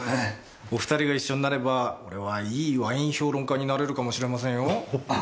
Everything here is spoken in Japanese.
お２人が一緒になればこれはいいワイン評論家になれるかもしれませんよ。